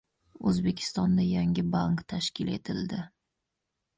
O‘zbekistonda yangi bank tashkil etildi